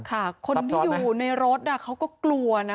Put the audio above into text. คนที่อยู่ในรถเขาก็กลัวนะ